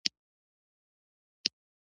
عشقه ته خودبین یې، زه پښتون یمه.